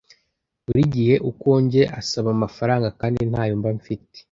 burigihe uko nje asaba amafaranga kandi ntayo mba mfite